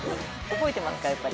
覚えてますか、やっぱり。